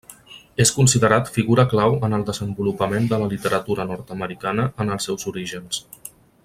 És considerat figura clau en el desenvolupament de la literatura nord-americana en els seus orígens.